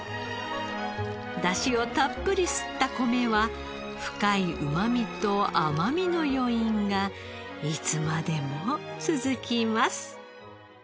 ダシをたっぷり吸った米は深いうまみと甘みの余韻がいつまでも続きます。